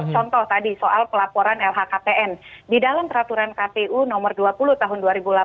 contoh tadi soal pelaporan lhkpn di dalam peraturan kpu nomor dua puluh tahun dua ribu delapan belas